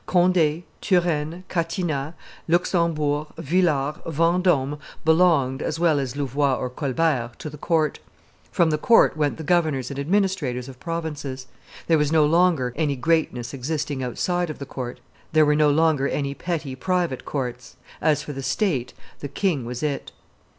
Conde, Turenne, Catinat, Luxembourg, Villars, Vendome belonged, as well as Louvois or Colbert, to the court; from the court went the governors and administrators of provinces; there was no longer any greatness existing outside of the court; there were no longer any petty private courts. As for the state, the king was it.